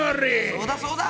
そうだそうだ！